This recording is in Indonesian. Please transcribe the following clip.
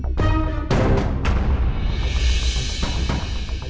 aku mau pergi